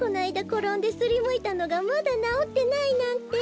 ころんですりむいたのがまだなおってないなんて。